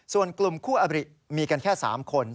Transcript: ส่วนกลุ่มคู่อบริมีกันแค่๓คน